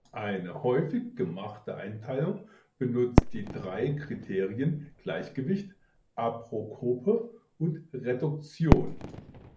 Eine häufig gemachte Einteilung benutzt die drei Kriterien Gleichgewicht, Apokope und Reduktion.